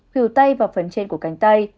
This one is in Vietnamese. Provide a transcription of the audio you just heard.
phiểu tay và phần trên của cánh tay